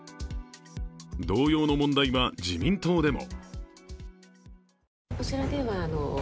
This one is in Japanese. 同様の問題は、自民党でも。